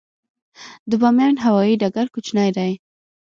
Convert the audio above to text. د بامیان هوايي ډګر کوچنی دی